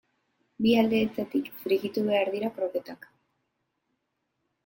Bi aldeetatik frijitu behar dira kroketak.